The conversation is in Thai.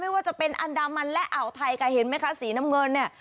ว่าจะเป็นอันดามันและอ่าวไทยค่ะเห็นไหมคะสีน้ำเงินเนี่ย